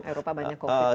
eropa banyak covid